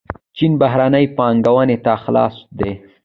چین بهرنۍ پانګونې ته خلاص دی.